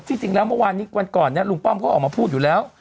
จริงแล้วเมื่อวานนี้วันก่อนเนี่ยลุงป้อมเขาออกมาพูดอยู่แล้ว